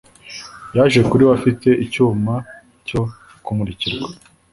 Yaje kuri we afite icyuma cyo kumurikirwa